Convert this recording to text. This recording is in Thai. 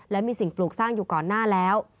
และมีสิ่งปลูกสร้างอยู่ก่อนหน้าแล้ว